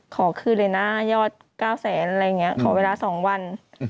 ขอคืนเลยนะยอด๙แสนอะไรอย่างนี้ขอเวลา๒วัน